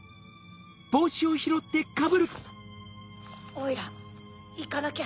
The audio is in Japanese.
オイラいかなきゃ。